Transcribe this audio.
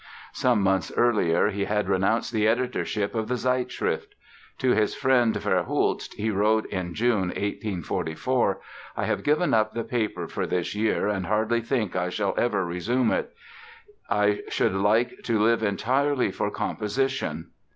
Some months earlier he had renounced the editorship of the Zeitschrift. To his friend, Verhulst, he wrote in June, 1844: "I have given up the paper for this year and hardly think I shall ever resume it. I should like to live entirely for composition".